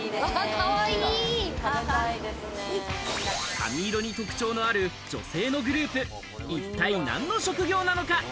髪色に特徴のある女性のグループ、一体何の職業なのか？